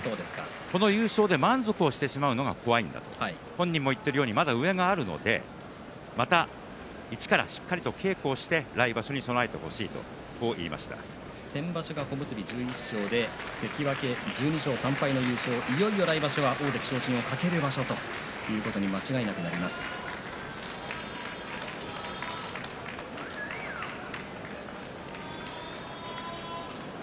この優勝で満足してしまうのが怖いんだ本人も言ってるようにまだ上があるのでまた一からしっかりと稽古をして来場所に備えて先場所は小結１１勝で関脇で１２勝３敗いよいよ来場所は大関を懸けての場所ということになるのは間違いありません。